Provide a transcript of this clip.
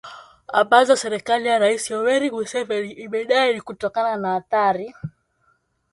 ambazo serikali ya Rais Yoweri Museveni imedai ni kutokana na athari